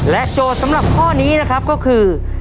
โจทย์สำหรับข้อนี้นะครับก็คือ